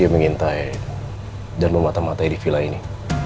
mengintai dan mematah matahi di vila ini